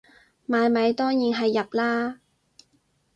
買米當然係入喇